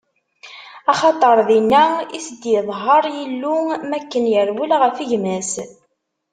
Axaṭer dinna i s-d-iḍher Yillu, mi akken yerwel ɣef gma-s.